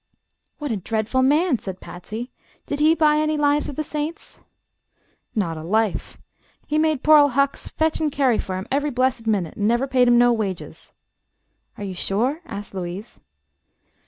"What a dreadful man," said Patsy. "Did he buy any 'Lives of the Saints?'" "Not a Life. He made poor Ol' Hucks fetch an' carry fer him ev'ry blessid minnit, an' never paid him no wages." "Are you sure?" asked Louise.